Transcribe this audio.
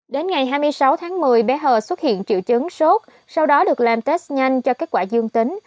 đến ngày hai mươi sáu tháng một mươi bé hờ xuất hiện triệu chứng sốt sau đó được làm test nhanh cho kết quả dương tính